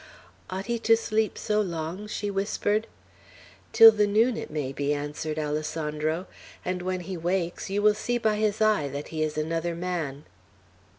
"Ought he to sleep so long?" she whispered. "Till the noon, it may be," answered Alessandro; "and when he wakes, you will see by his eye that he is another man."